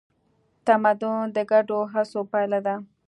تمدن د ګډو هڅو پایله ده.